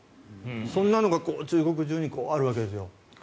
そんなのが中国中にあるわけです。